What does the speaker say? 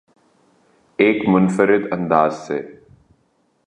ایک منفرد انداز سے